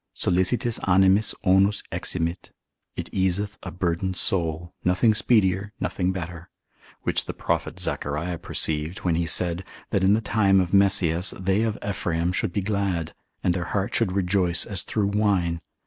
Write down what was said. Sollicitis animis onus eximit, it easeth a burdened soul, nothing speedier, nothing better; which the prophet Zachariah perceived, when he said, that in the time of Messias, they of Ephraim should be glad, and their heart should rejoice as through wine.